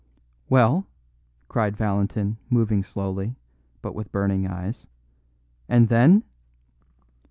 "Well?" cried Valentin, moving slowly, but with burning eyes, "and then?"